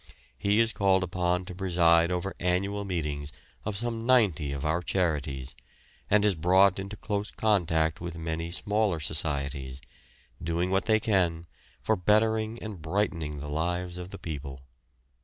He is called upon to preside over annual meetings of some ninety of our charities, and is brought into close contact with the many smaller societies, doing what they can for bettering and brightening the lives of the people.